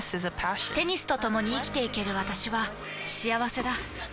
テニスとともに生きていける私は幸せだ。